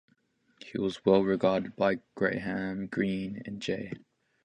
He was well regarded by Graham Greene and J.